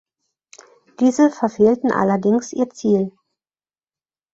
Diese verfehlten allerdings ihr Ziel.